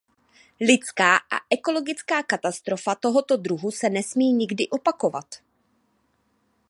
Lidská a ekologická katastrofa tohoto druhu se nesmí nikdy opakovat.